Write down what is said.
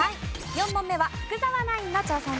４問目は福澤ナインの挑戦です。